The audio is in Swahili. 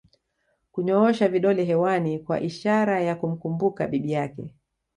kunyoosha vidole hewani kwa ishara ya kumkumbuka bibi yake